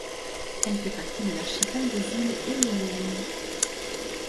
Elle fait partie de l'archipel des Îles Éoliennes.